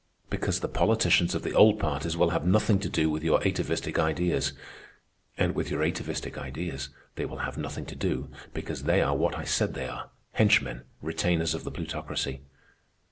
Because the politicians of the old parties will have nothing to do with your atavistic ideas; and with your atavistic ideas, they will have nothing to do because they are what I said they are, henchmen, retainers of the Plutocracy.